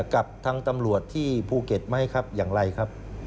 กับทางตำรวจที่ภูเก็ตไหมครับอย่างไรครับ